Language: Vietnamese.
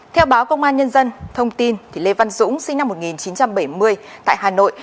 theo báo công an nhân dân thông tin lê văn dũng sinh năm một nghìn chín trăm bảy mươi tại hà nội